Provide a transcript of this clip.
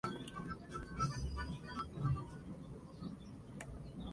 Recientemente en la serie se le va la cabeza.